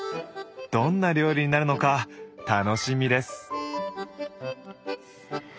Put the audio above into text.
どんな料理になるのか楽しみです。